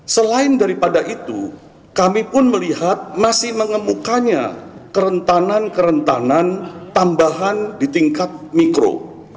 selain daripada itu kami pun melihat masih mengemukanya kerentanan kerentanan tambahan di tingkat mikro